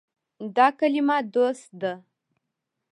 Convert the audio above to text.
دا کلمه “دوست” ده.